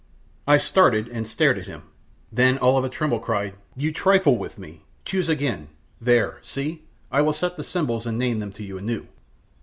I started and stared at him; then all of a tremble cried, "You trifle with me! Choose again there, see, I will set the symbols and name them to you anew.